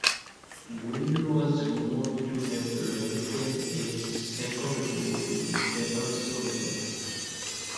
Laurie was rumoured to have written a second book, "The Paper Soldier".